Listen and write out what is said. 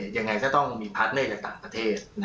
ยังไงก็ต้องมีพาร์ทเนอร์จากต่างประเทศ